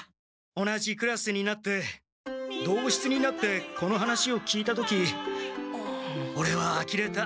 同じクラスになって同室になってこの話を聞いた時オレはあきれた。